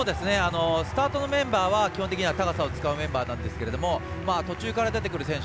スタートのメンバーは高さを使う選手なんですけど途中から出てくる選手